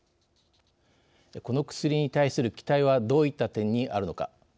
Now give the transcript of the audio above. この薬に対する期待はどういった点にあるのか。